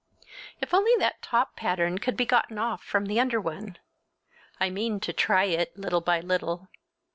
If only that top pattern could be gotten off from the under one! I mean to try it, little by little.